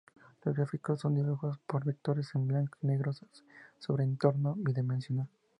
Los gráficos son dibujos por vectores en blanco y negro sobre un entorno bidimensional.